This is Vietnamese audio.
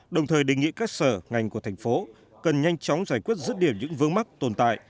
đồng thời đề nghị các sở ngành của thành phố cần nhanh chóng giải quyết rứt điểm những vương mắc tồn tại